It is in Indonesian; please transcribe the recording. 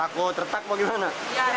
takut retak apa gimana